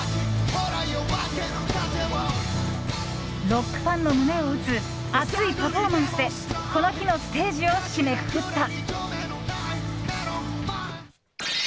ロックファンの胸を打つ熱いパフォーマンスでこの日のステージを締めくくった。